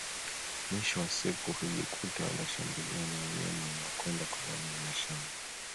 Mwisho wa siku hujikuta wanashambuliwa na wanyama wanaokwenda kuvamia mashamba